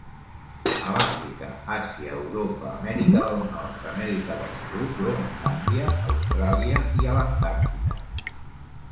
A l'Àfrica, Àsia, Europa, Amèrica del Nord, Amèrica del Sud, Groenlàndia, Austràlia i a l'Antàrtida.